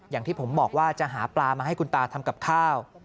อย่างที่ผมบอกว่าจะหาปลามาให้คุณตาทำกับข้าว